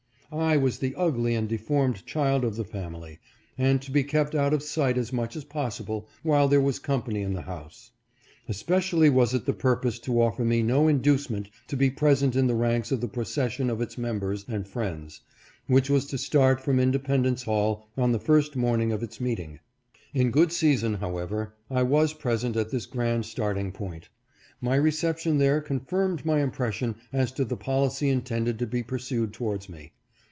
I was the ugly and deformed child of the family, and to be kept out of sight as much as possible while there was company in the house. Especially was it the pur pose to offer me no inducement to be present in the ranks of the procession of its members and friends, which was to start from Independence Hall on the first morning of its meeting. "A FRIEND IN NEED — A FRIEND INDEED." 475 In good season, however, I was present at this grand starting point. My reception there confirmed my im pression as to the policy intended to be pursued towards me.